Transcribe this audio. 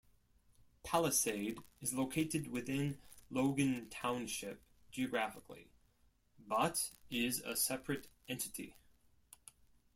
Palisade is located within Logan Township geographically but is a separate entity.